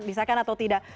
bisa kan atau tidak